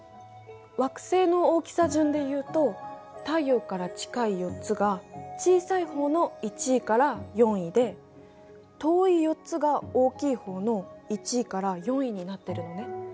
惑星の大きさ順でいうと太陽から近い４つが小さい方の１位から４位で遠い４つが大きい方の１位から４位になってるのね。